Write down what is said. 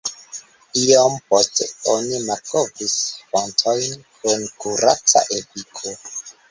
Iom poste oni malkovris fontojn kun kuraca efiko.